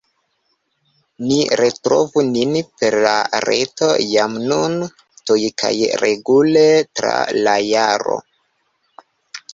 Ni retrovu nin per la Reto jam nun tuj kaj regule tra la jaro!